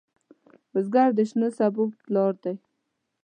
بزګر د شنو سبو پلار دی